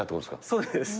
そうです。